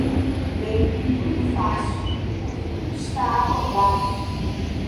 Bem, muito fácil: porque tudo está aprovado!